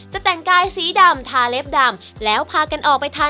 จะแต่งกายสีดำทาเล็บดำ